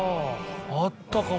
あったかも。